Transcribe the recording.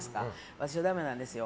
私はダメなんですよ。